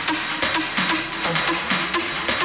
terus lu mulai